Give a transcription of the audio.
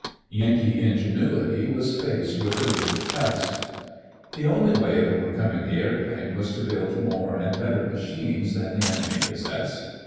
Yankee ingenuity was faced with a real test. The only way of overcoming the airplane was to build more and better machines than the enemy possessed.